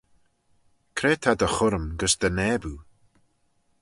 Cre ta dty churrym gys dty naboo?